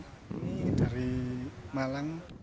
ini dari malang